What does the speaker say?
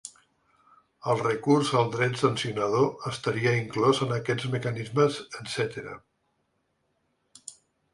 El recurs al dret sancionador estaria inclòs en aquests mecanismes, etc.